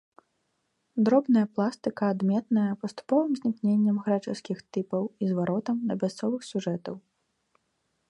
Дробная пластыка адметная паступовым знікненнем грэчаскіх тыпаў і зваротам да мясцовых сюжэтаў.